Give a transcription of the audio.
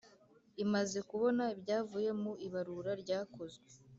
Imaze kubona ibyavuye mu ibarura ryakozwe